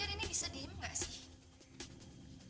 kalian ini bisa diem gak sih